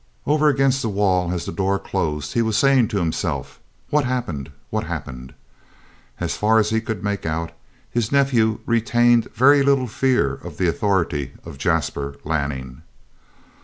Over against the wall as the door closed he was saying to himself: "What's happened? What's happened?" As far as he could make out his nephew retained very little fear of the authority of Jasper Lanning.